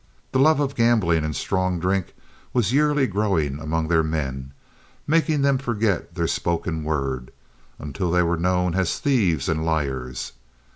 The love of gambling and strong drink was yearly growing among their men, making them forget their spoken word, until they were known as thieves and liars.